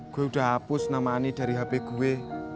gue udah hapus nama ani dari hp gue